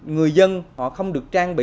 người dân họ không được trang bị